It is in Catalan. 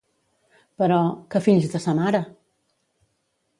Però… que fills de sa mare!